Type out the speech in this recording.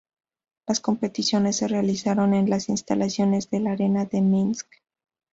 Las competiciones se realizaron en las instalaciones de la Arena de Minsk.